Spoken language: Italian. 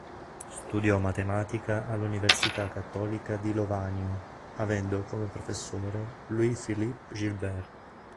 Studiò matematica all'Università cattolica di Lovanio avendo come professore Louis-Philippe Gilbert.